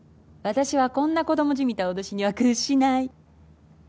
「私はこんな子供じみた脅しには屈しない」